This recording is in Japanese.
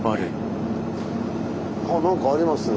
あっ何かありますね。